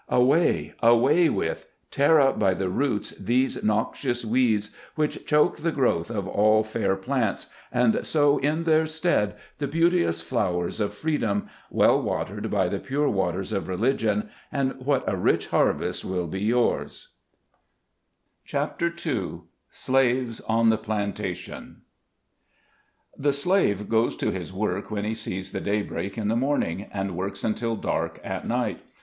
Away, away with, tear up by the roots, these noxious weeds, which choke the growth of all fair plants, and sow in their stead the beau teous flowers of freedom, well watered by the pure waters of religion, and what a rich harvest will be yours ! SLAVES ON THE PLANTATION. 157 CHAPTER II. SLAVES ON THE PLANTATION. JHE slave goes to his work when he sees the daybreak in the morning, and works until dark at night.